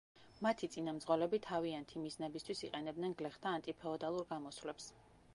მათი წინამძღოლები თავიანთი მიზნებისთვის იყენებდნენ გლეხთა ანტიფეოდალურ გამოსვლებს.